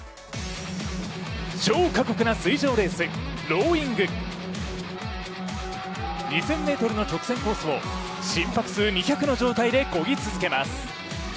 超過酷な水上レース、ローイング２０００ｍの直線コースを心拍数２００の状態でこぎ続けます。